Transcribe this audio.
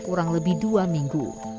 kurang lebih dua minggu